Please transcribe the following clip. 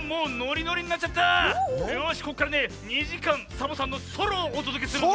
よしここからね２じかんサボさんのソロをおとどけするぜ。